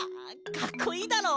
かっこいいだろ？